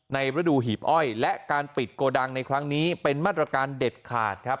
ฤดูหีบอ้อยและการปิดโกดังในครั้งนี้เป็นมาตรการเด็ดขาดครับ